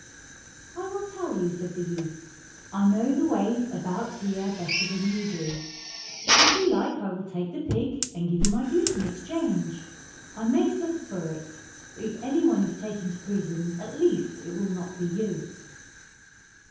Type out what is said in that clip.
"I will tell you," said the youth; "I know the ways about here better than you do. If you like I will take the pig and give you my goose in exchange. I may suffer for it, but if anyone is taken to prison at least it will not be you."